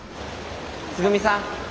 つぐみさん。